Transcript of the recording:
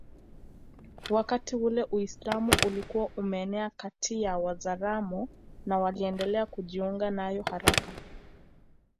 wakati ule Uislamu ulikuwa umeenea kati ya Wazaramo na waliendelea kujiunga nayo haraka